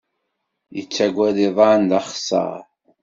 Yettaggad iḍan d axeṣṣar.